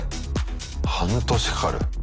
半年かかる。